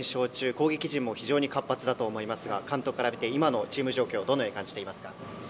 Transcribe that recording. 攻撃陣も非常に活発だと思いますが監督から見て、今のチーム状況はどのように感じていますか？